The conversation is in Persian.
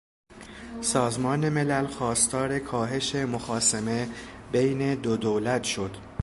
سازمان ملل خواستار کاهش مخاصمه بین دو دولت شد